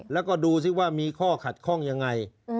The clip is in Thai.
แล้วก็ดูสิว่ามีข้อขัดข้องยังไง